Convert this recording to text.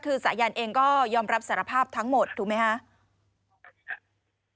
คือสายันเองก็ยอมรับสารภาพทั้งหมดถูกไหมครับ